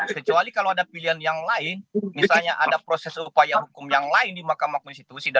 kecuali kalau ada pilihan yang lain misalnya ada proses upaya hukum yang lain di mahkamah konstitusi